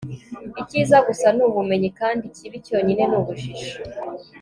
icyiza gusa ni ubumenyi, kandi ikibi cyonyine ni ubujiji